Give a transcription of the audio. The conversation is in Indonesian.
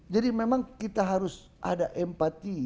jadi memang kita harus ada empati